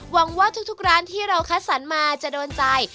หวังว่าทุกร้านที่เราคัดสรรมาจะโดนใจ